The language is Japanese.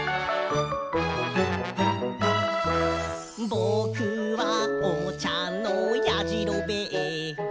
「ぼくはおもちゃのやじろべえ」